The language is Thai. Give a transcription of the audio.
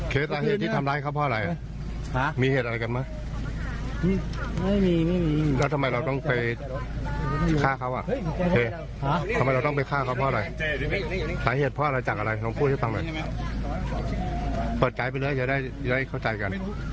ขาวเข้าไปเฟิดมาก็เจอแล้วค่ะเข้ารถกันดีกว่าเมื่อก่อนเช้า